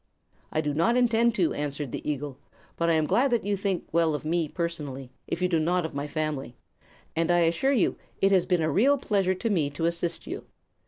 "I do not intend to," answered the eagle. "But I am glad that you think well of me personally, if you do not of my family, and I assure you it has been a real pleasure to me to assist you.